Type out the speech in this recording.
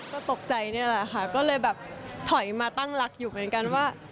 ก็ตกใจนี่แหละค่ะก็เลยแบบถอยมาตั้งรักอยู่เหมือนกันว่า